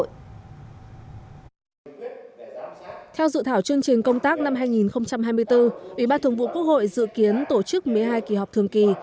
theo dự thảo chương trình công tác năm hai nghìn hai mươi bốn ủy ban thường vụ quốc hội dự kiến tổ chức một mươi hai kỳ họp thường kỳ